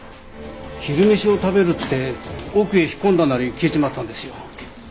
昼飯を食べるって奥へ引っ込んだなり消えちまったんですよ。